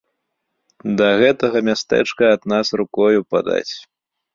Да гэтага мястэчка ад нас рукою падаць.